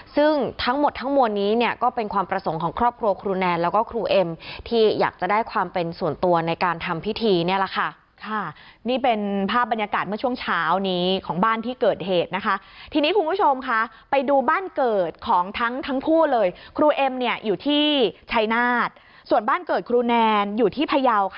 ซึ่งทั้งหมดทั้งมวลนี้เนี่ยก็เป็นความประสงค์ของครอบครัวครูแนนแล้วก็ครูเอ็มที่อยากจะได้ความเป็นส่วนตัวในการทำพิธีเนี่ยแหละค่ะนี่เป็นภาพบรรยากาศเมื่อช่วงเช้านี้ของบ้านที่เกิดเหตุนะคะทีนี้คุณผู้ชมค่ะไปดูบ้านเกิดของทั้งทั้งคู่เลยครูเอ็มเนี่ยอยู่ที่ชายนาฏส่วนบ้านเกิดครูแนนอยู่ที่พยาวค่ะ